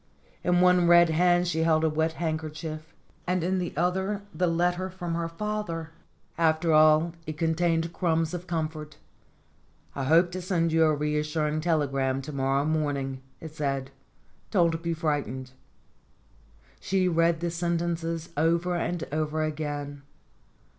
In one red hand she held a wet handkerchief, and in the other the letter from her father. After all, it contained crumbs of comfort. "I hope to send you a reassuring telegram to morrow morn ing," it said. "Don't be frightened." She read the sentences over and over again.